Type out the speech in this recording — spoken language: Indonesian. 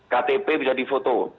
ktp bisa di photo